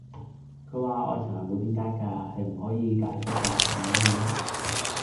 佢話:愛情係冇點解架,係唔可以解釋架,唔好問啦